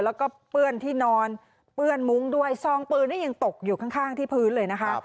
แล้วก็เปื้อนที่นอนเปื้อนมุ้งด้วยซองปืนนี่ยังตกอยู่ข้างที่พื้นเลยนะคะ